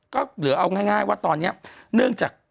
ก็เหลือเอาง่ายว่าตอนนี้เนื่องจาก